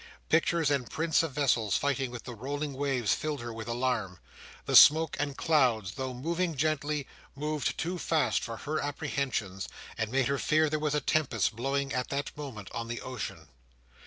Pictures and prints of vessels fighting with the rolling waves filled her with alarm. The smoke and clouds, though moving gently, moved too fast for her apprehensions, and made her fear there was a tempest blowing at that moment on the ocean.